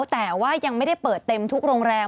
แต่ว่ายังไม่ได้เปิดเต็มทุกโรงแรม